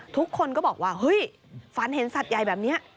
ทุกคนก็บอกว่าเฮ้ยฝันเห็นสัตว์ใหญ่แบบนี้